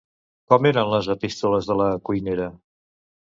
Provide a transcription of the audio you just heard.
Com eren les epístoles de la cuinera?